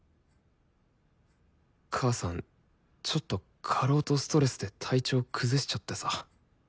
母さんちょっと過労とストレスで体調崩しちゃってさ。